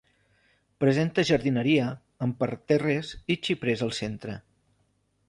Presenta jardineria amb parterres i xiprers al centre.